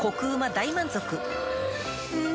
大満足うん！